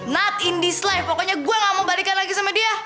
not in this life pokoknya gue gak mau balikin lagi sama dia